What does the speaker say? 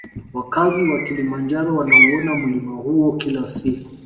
Wakazi wa kilimanjaro wanauona mlima huo kila siku